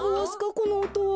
このおとは。